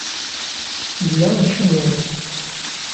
Yella icennu.